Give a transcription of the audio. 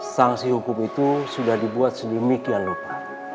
sangsi hukum itu sudah dibuat sedemikian lupa